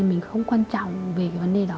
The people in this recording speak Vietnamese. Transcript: mình không quan trọng về cái vấn đề đó